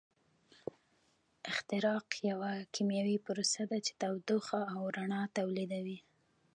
احتراق یوه کیمیاوي پروسه ده چې تودوخه او رڼا تولیدوي.